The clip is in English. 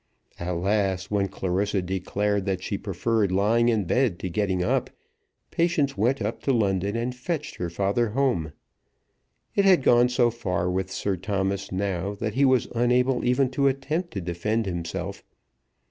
At last, when Clarissa declared that she preferred lying in bed to getting up, Patience went up to London and fetched her father home. It had gone so far with Sir Thomas now that he was unable even to attempt to defend himself.